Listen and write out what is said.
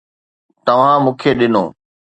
توهان مون کي ڏنو